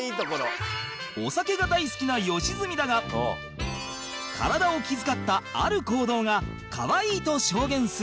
お酒が大好きな良純だが体を気遣ったある行動がかわいいと証言する